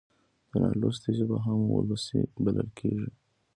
د نالوستي ژبه هم وولسي بلل کېږي.